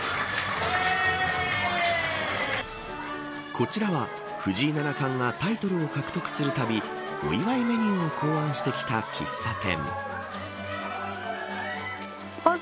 こちらは藤井七冠がタイトルを獲得するたびお祝いメニューを考案してきた喫茶店。